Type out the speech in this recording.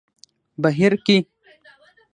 بهير کې